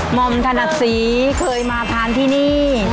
ห่อมถนัดศรีเคยมาทานที่นี่